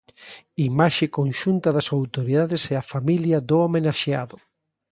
Imaxe conxunta das autoridades e a familia do homenaxeado.